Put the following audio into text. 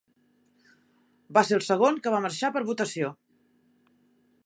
Va ser el segon que va marxar per votació.